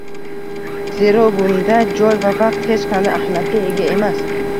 zero, bunda joy va vaqt hech qanday ahamiyatga ega emas.